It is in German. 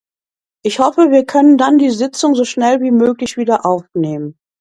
Ich hoffe, wir können dann die Sitzung so schnell wie möglich wiederaufnehmen.